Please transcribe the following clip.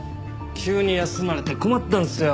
急に休まれて困ったんすよ。